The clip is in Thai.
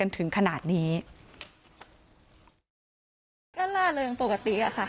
มันมีแม่ด้วย